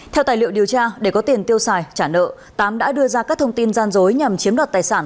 theo tài liệu điều tra để có tiền tiêu xài trả nợ tám đã đưa ra các thông tin gian dối nhằm chiếm đoạt tài sản